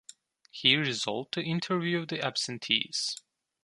He resolved to interview the absentees.